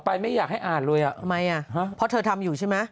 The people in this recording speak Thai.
เพราะเธอทำอยู่ใช่ไหม